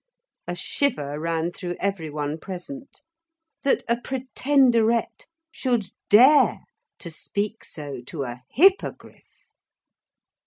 A shiver ran through every one present. That a Pretenderette should dare to speak so to a Hippogriff!